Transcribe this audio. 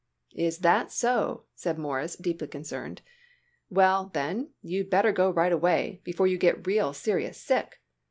"Is that so?" said Morris, deeply concerned. "Well, then, you'd better go right away, before you get real serious sick.